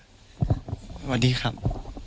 สวัสดีครับ